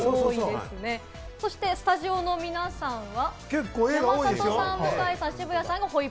そしてスタジオの皆さんは？